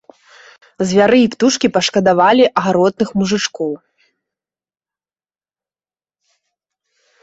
Звяры і птушкі пашкадавалі гаротных мужычкоў.